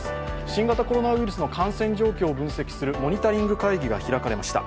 新型コロナウイルスの感染状況を分析するモニタリングが会議が開かれました。